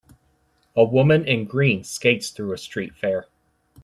A woman in green skates through a street fair.